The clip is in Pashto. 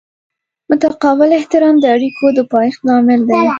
متقابل احترام د اړیکو د پایښت لامل دی.